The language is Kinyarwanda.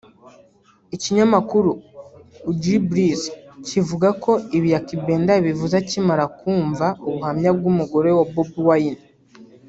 Ikinyamakuru Ugblizz kivuga ko ibi Ykee Benda yabivuze akimara kumva ubuhamya bw’umugore wa Bobi Wine